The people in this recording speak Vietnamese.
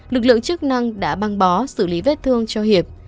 lực lượng chức năng đã băng bó xử lý vết thương cho hiệp